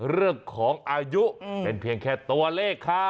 เรื่องของอายุเป็นเพียงแค่ตัวเลขค่ะ